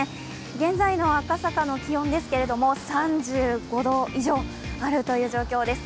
現在の赤坂の気温ですけれど３５度以上あるという状況です。